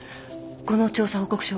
この調査報告書